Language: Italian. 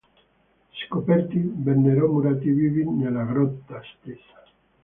Scoperti, vennero murati vivi nella grotta stessa.